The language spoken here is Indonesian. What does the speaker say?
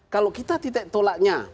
kalau kita titik tolaknya